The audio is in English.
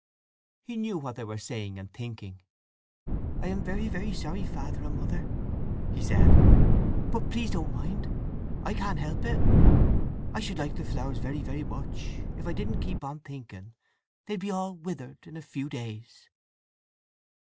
He knew what they were saying and thinking. "I am very, very sorry, Father and Mother," he said. "But please don't mind!—I can't help it. I should like the flowers very very much, if I didn't keep on thinking they'd be all withered in a few days!"